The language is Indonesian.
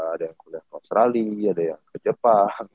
ada yang kuliah ke australia ada yang ke jepang